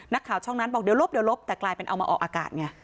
นักข่าวช่องนั้นบอกเดี๋ยวลบเดี๋ยวลบแต่กลายเป็นเอามาออกอากาศไง